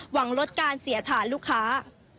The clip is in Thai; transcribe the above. หวังลดการเสียฐานลูกค้า